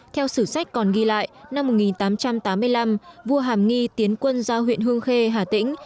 theo sử sách còn ghi lại năm một nghìn tám trăm tám mươi năm vua hàm nghi tiến quân ra huyện hương khê hà tĩnh